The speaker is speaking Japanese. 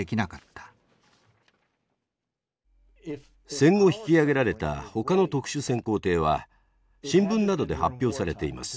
戦後引き揚げられたほかの特殊潜航艇は新聞などで発表されています。